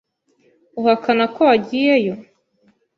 Uhakana ko wagiyeyo?